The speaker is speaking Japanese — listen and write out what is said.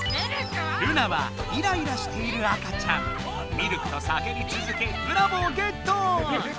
ミルクとさけびつづけブラボーゲット！